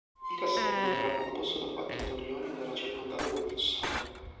Il castello era composto da quattro torrioni ed era circondato da un fossato.